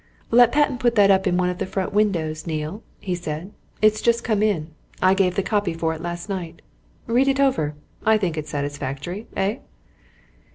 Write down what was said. "Let Patten put that up in one of the front windows, Neale," he said. "It's just come in I gave the copy for it last night. Read it over I think it's satisfactory, eh?"